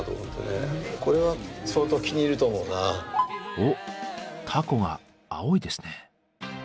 おっタコが青いですね。